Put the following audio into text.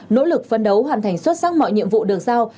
nỗ lực phân đấu hoàn thành xuất sắc mọi nhiệm vụ được giao